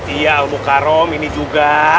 iya al mukarom ini juga